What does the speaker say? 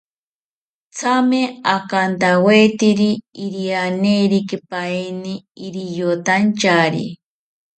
Thame akantawetiri irianerikipaeni riyotantyari